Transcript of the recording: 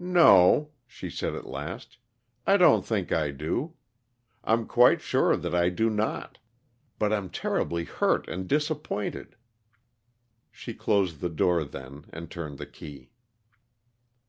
"No," she said at last, "I don't think I do; I'm quite sure that I do not. But I'm terribly hurt and disappointed." She closed the door then and turned the key.